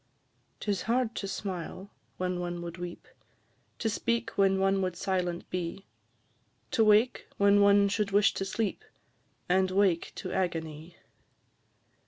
'Tis hard to smile when one would weep, To speak when one would silent be; To wake when one should wish to sleep, And wake to agony.